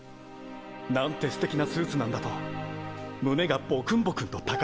なんて素敵なスーツなんだと胸がボクンボクンと高鳴ったよ。